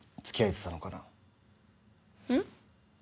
うん？